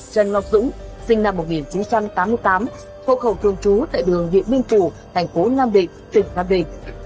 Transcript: trần ngọc dũng sinh năm một nghìn chín trăm tám mươi tám thô khẩu thương trú tại đường nghị minh củ thành phố nam định tỉnh nam định